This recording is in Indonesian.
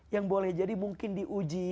yang boleh jadi mungkin diuji